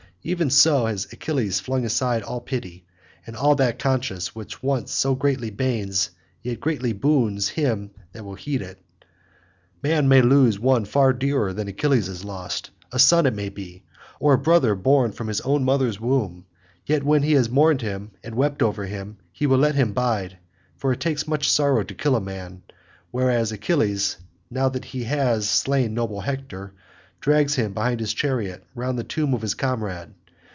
Even so has Achilles flung aside all pity, and all that conscience which at once so greatly banes yet greatly boons him that will heed it. A man may lose one far dearer than Achilles has lost—a son, it may be, or a brother born from his own mother's womb; yet when he has mourned him and wept over him he will let him bide, for it takes much sorrow to kill a man; whereas Achilles, now that he has slain noble Hector, drags him behind his chariot round the tomb of his comrade.